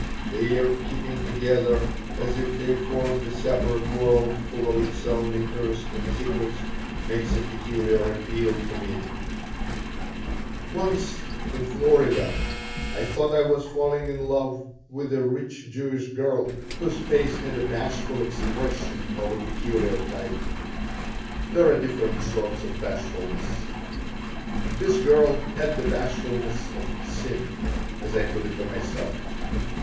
Their keeping together, as if they formed a separate world full of its own interests and secrets, makes a peculiar appeal to me Once, in Florida, I thought I was falling in love with a rich Jewish girl whose face had a bashful expression of a peculiar type. There are different sorts of bashfulness. This girl had the bashfulness of sin, as I put it to myself.